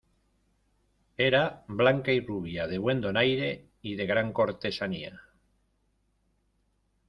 era blanca y rubia, de buen donaire y de gran cortesanía.